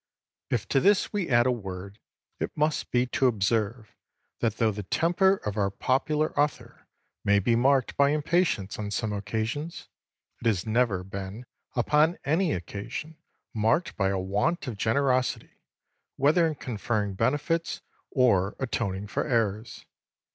If to this we add a word, it must be to observe, that, though the temper of our popular author may be marked by impatience on some occasions, it has never been upon any occasion marked by a want of generosity, whether in conferring benefits or atoning for errors.